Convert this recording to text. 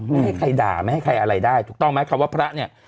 ไม่ให้ใครด่าไม่ให้ใครอะไรได้ถูกต้องไหมคำว่าพระเนี่ย